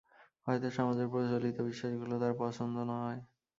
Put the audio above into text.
হয়ত সমাজের প্রচলিত বিশ্বাসগুলো তার পছন্দ নয়।